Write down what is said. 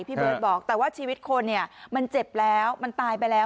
พี่เบิร์ตบอกแต่ว่าชีวิตคนเนี่ยมันเจ็บแล้วมันตายไปแล้ว